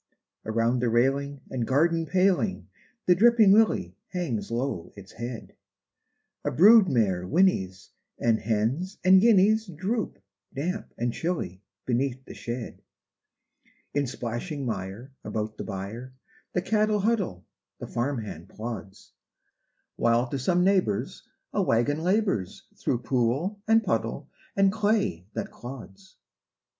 Around the railing and garden paling The dripping lily hangs low its head: A brood mare whinnies; and hens and guineas Droop, damp and chilly, beneath the shed. In splashing mire about the byre The cattle huddle, the farm hand plods; While to some neighbor's a wagon labors Through pool and puddle and clay that clods.